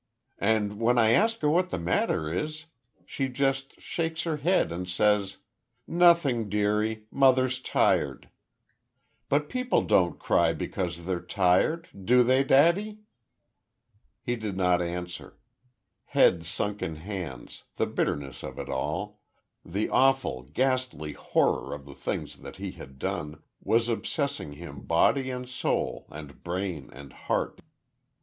"And when I ask her what the matter is, she just shakes her head and says, 'Nothing, dearie. Mother's tired.' But people don't cry because they're tired, do they, daddy?" He did not answer. Head sunk in hands, the bitterness of it all the awful, ghastly, horror of the things that he had done was obsessing him body and soul and brain and heart.